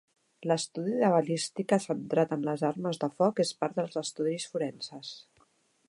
L'estudi de la balística centrat en les armes de foc és part dels estudis forenses.